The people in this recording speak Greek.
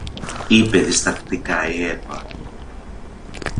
είπε διστακτικά η Εύα.